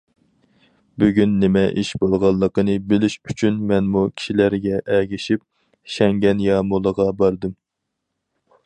بۈگۈن نېمە ئىش بولغانلىقىنى بىلىش ئۈچۈن مەنمۇ كىشىلەرگە ئەگىشىپ شەڭگەن يامۇلىغا باردىم.